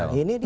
nah ini dia